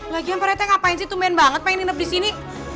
lagian pak rete ngapain sih tumen banget pengen nginep disini